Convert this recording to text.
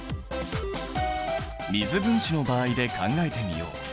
水分子の場合で考えてみよう。